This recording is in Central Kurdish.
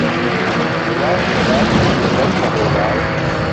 گوڵاو و نهبات له گهڵ سههۆڵاو